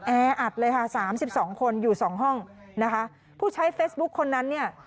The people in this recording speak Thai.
แออัดเลยค่ะสามสิบสองคนอยู่สองห้องนะคะผู้ใช้เฟซบุ๊คคนนั้นเนี่ย